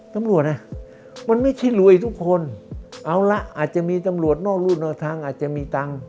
ตำรวจอ่ะมันไม่ใช่รวยทุกคนเอาละอาจจะมีตำรวจนอกรูดนอกทางอาจจะมีตังค์